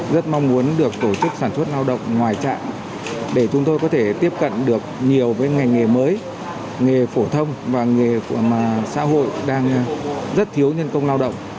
rất mong muốn được tổ chức sản xuất lao động ngoài trạm để chúng tôi có thể tiếp cận được nhiều với ngành nghề mới nghề phổ thông và nghề của xã hội đang rất thiếu nhân công lao động